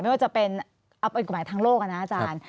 ไม่ว่าจะเป็นกฎหมายทางโลกนะอาจารย์